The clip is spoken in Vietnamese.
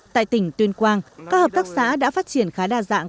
tại tỉnh tuyên quang các hợp tác xã đã phát triển khá đa dạng